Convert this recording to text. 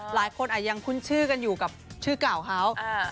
หลายคนยังคุ้นชื่อกันอยู่กับชื่อเก่าเขา